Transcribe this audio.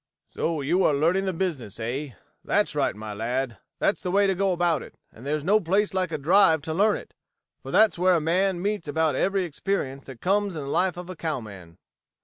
"So you are learning the business, eh? That's right, my lad. That's the way to go about it, and there's no place like a drive to learn it, for that's where a man meets about every experience that comes in the life of a cowman."